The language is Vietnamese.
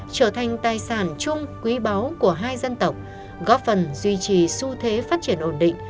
trở thành tài sản chung quý báu của hai dân tộc góp phần duy trì xu thế pháp luật